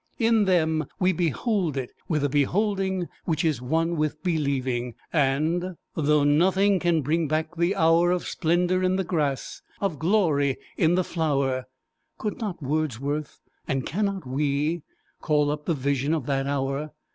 In them we behold it with a beholding which is one with believing. And, "Though nothing can bring back the hour Of splendour in the grass, of glory in the flower", could not Wordsworth, and cannot we, call up the vision of that hour?